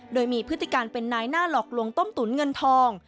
โดยมีพฤติการเป็นนายหน้าหลอกลวงต้มตุ๋นเงินทอง